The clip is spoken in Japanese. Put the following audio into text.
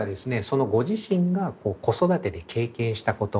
そのご自身が子育てで経験したこと。